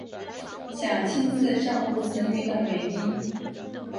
想亲自照顾子女等原因